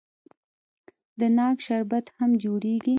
د ناک شربت هم جوړیږي.